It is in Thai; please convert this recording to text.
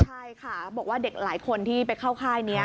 ใช่ค่ะบอกว่าเด็กหลายคนที่ไปเข้าค่ายนี้